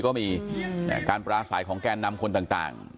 ก็มีอือเนี่ยการปราสาทของแกนนำคนต่างต่าง